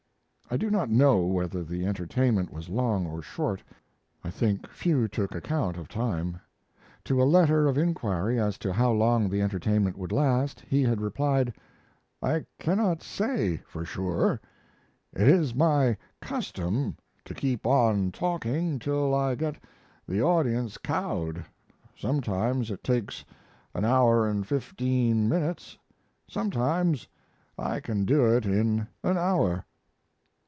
I do not know whether the entertainment was long or short. I think few took account of time. To a letter of inquiry as to how long the entertainment would last, he had replied: I cannot say for sure. It is my custom to keep on talking till I get the audience cowed. Sometimes it takes an hour and fifteen minutes, sometimes I can do it in an hour.